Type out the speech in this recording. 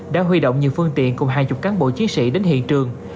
đã huy động nhiều phương tiện cùng hai mươi cán bộ chiến sĩ đến hiện trường